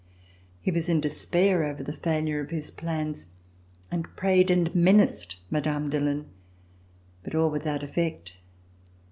He was in despair over the failure of his plans and prayed and menaced Mme. Dillon, but all without effect.